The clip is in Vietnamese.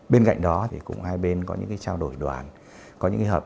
bên cạnh đó thì cũng hai bên có những trao đổi đoàn